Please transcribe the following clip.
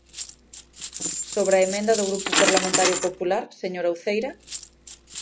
¿Sobre a emenda do Grupo Parlamentario Popular, señora Uceira?